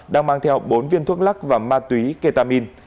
đang mang theo bốn viên thuốc lắc và ma túy ketamin